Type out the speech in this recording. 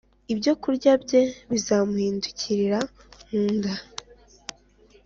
ibyokurya bye bizamuhindukira mu nda,